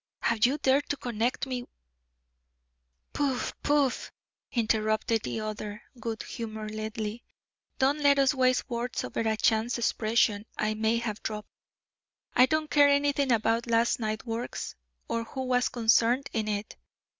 Have you dared to connect me " "Pooh! Pooh!" interrupted the other, good humouredly. "Don't let us waste words over a chance expression I may have dropped. I don't care anything about last night's work, or who was concerned in it.